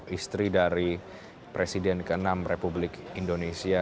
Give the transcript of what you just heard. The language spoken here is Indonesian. istri dari presiden ke enam republik indonesia